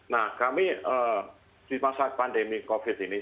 nah kami di masa pandemi covid ini